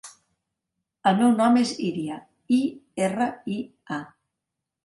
El meu nom és Iria: i, erra, i, a.